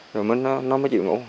rồi nó mới chịu ngủ